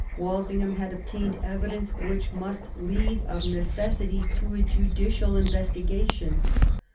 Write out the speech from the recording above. Walsingham had obtained evidence which must lead of necessity to a judicial investi gation.